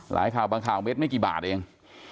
ข่าวบางข่าวเม็ดไม่กี่บาทเอง